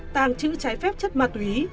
tàng trữ trái phép chất ma túy